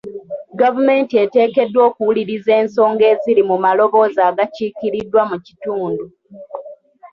Gavumenti eteekeddwa okuwuliriza ensonga eziri mu maloboozi agakiikiriddwa mu kitundu.